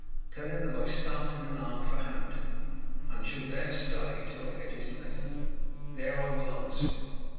Tell him that I start in an hour for Hampton, and shall there stay till I get his letter; there I will answer it.